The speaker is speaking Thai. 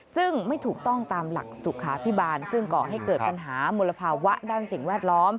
ซึ่งไม่ถูกต้องตามหลักสุขาพิบาลซึ่งก่อให้เกิดปัญหามลภาวะด้านสิ่งแวดล้อม